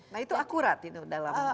nah itu akurat itu dalam